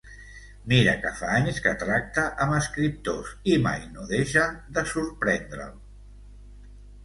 Mira que fa anys que tracta amb escriptors i mai no deixen de sorprendre'l.